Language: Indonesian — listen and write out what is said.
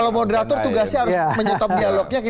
kalau moderator tugasnya harus menyetop dialognya